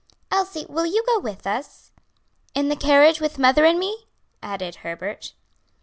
Elsie, will you go with us?" "In the carriage with mother and me?" added Herbert.